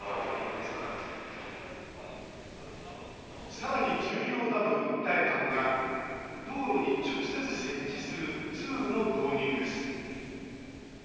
さらに、重要だと訴えたのが道路に直接設置するツールの導入です。